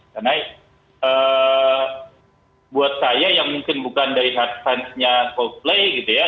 karena buat saya yang mungkin bukan dari fansnya cosplay gitu ya